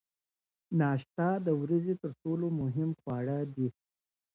ناشته د ورځې تر ټولو مهم خواړه دي.